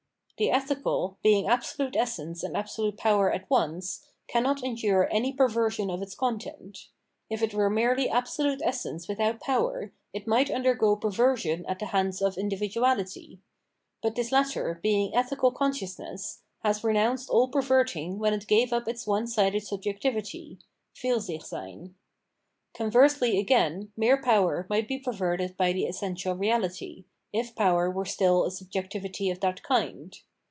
The ethical, being absolute essence and absolute power at once, cannot endure any perversion of its content. If it were merely absolute essence without Jower, it might undergo perversion at the hands of 464 Phenomenology of Mind individuality. But this latter, being ethical conscious ness, has renounced all perverting when it gave up its one sided subjectivity [PuTsichseyn). Conversely, again, mere power might be perverted by the essential reality, if power were still a subjectivity of that kind.